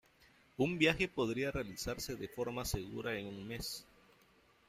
Un viaje podría realizarse de forma segura en un mes.